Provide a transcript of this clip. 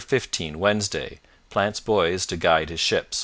15 Wednesday Plants buoys to guide his ships.